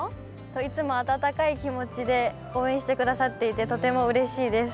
いつも温かい気持ちで応援してくださっていてとてもうれしいです。